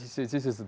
ya tapi malah